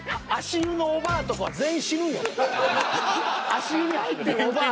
足湯に入ってるおばあが。